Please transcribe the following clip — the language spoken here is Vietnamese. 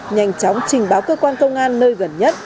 nhanh chóng trình báo cơ quan công an nơi gần nhất